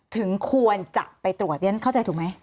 ถึงควรจับไปตรวจอย่างนั้นเข้าใจถูกไหม